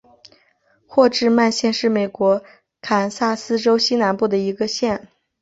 霍治曼县是美国堪萨斯州西南部的一个县。